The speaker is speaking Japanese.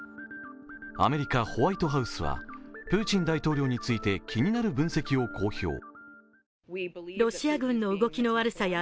アメリカ・ホワイトハウスはプーチン大統領について気になる分析を公表。